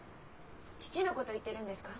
父のこと言ってるんですか？